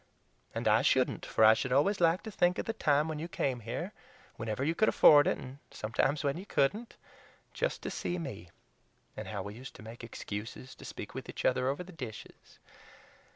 And I shouldn't, for I should always like to think of the time when you came here, whenever you could afford it and sometimes when you couldn't, just to see me; and how we used to make excuses to speak with each other over the dishes.